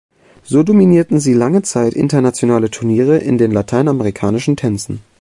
So dominierten sie lange Zeit internationale Turniere in den Lateinamerikanischen Tänzen.